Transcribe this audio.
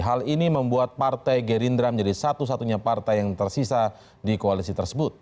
hal ini membuat partai gerindra menjadi satu satunya partai yang tersisa di koalisi tersebut